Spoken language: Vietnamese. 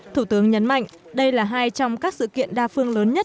thủ tướng nhấn mạnh đây là hai trong các sự kiện đa phương lớn nhất